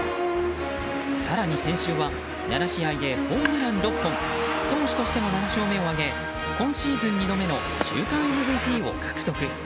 更に先週は７試合でホームラン６本投手としても７勝目を挙げ今シーズン２度目の週間ＭＶＰを獲得。